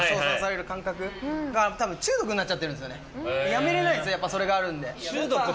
やめれないんですよやっぱそれがあるんで。